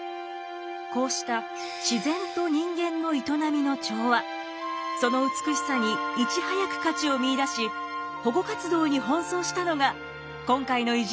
こうした自然と人間の営みの調和その美しさにいち早く価値を見いだし保護活動に奔走したのが今回の偉人